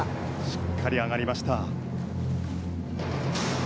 しっかり上がりました。